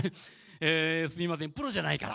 えすみませんプロじゃないから。